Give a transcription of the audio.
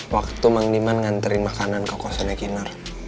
waktu mang diman nganterin makanan ke kosannya kinar